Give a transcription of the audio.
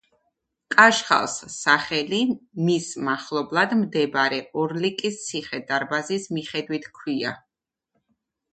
კაშხალს სახელი მის მახლობლად მდებარე ორლიკის ციხე-დარბაზის მიხედვით ჰქვია.